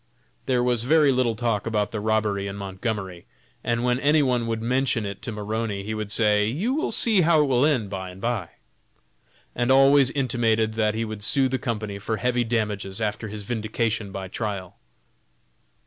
There was very little talk about the robbery in Montgomery, and when any one would mention it to Maroney, he would say, "You will see how it will end by and by," and always intimated that he would sue the company for heavy damages after his vindication by trial.